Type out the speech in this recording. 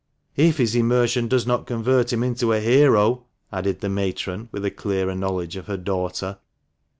"If his immersion does not convert him into a hero," added the matron, with a clearer knowledge of her daughter.